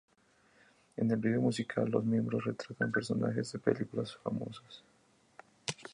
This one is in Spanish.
En el vídeo musical, los miembros retratan personajes de películas famosas.